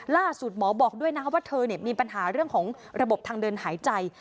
ล่าสุดหมอบอกด้วยนะครับว่าเธอมีปัญหาเรื่องของระบบทางเดินหายใจ